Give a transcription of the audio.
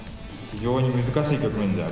非常に難しい局面じゃ。